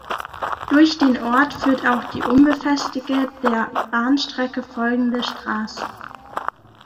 Durch den Ort führt auch die unbefestigte, der Bahnstrecke folgende Straße.